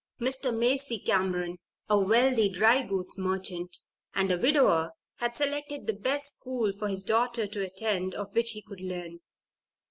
Mr. Macy Cameron, a wealthy dry goods merchant, and a widower, had selected the best school for his daughter to attend of which he could learn.